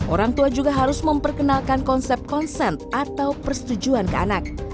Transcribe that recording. orang tua juga harus memperkenalkan konsep konsen atau persetujuan ke anak